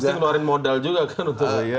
itu harus dikeluarin modal juga kan untuk